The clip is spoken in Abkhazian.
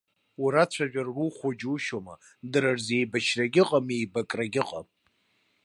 Урацәажәар рухуа џьушьома, дара рзы еибашьрагьы ыҟам, еибакрагьы ыҟам.